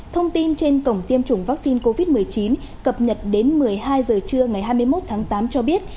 thông tin trên cổng tiêm chủng vaccine covid một mươi chín cập nhật đến một mươi hai h trưa ngày hai mươi một tháng tám cho biết